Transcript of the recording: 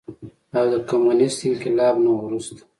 او د کميونسټ انقلاب نه وروستو